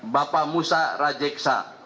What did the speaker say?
bapak musa rajeksa